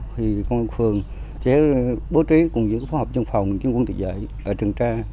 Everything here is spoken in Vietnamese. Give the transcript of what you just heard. thì công nhân phường chế bố trí cùng với phó học dân phòng dân quân tự dạy ở tường tra